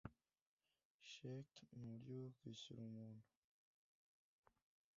sheki ni uburyo bwo kwishyura umuntu